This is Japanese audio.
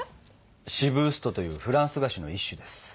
シブーストというフランス菓子の一種です。